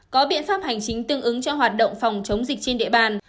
có biện pháp hành chính tương ứng cho hoạt động phòng chống dịch trên địa bàn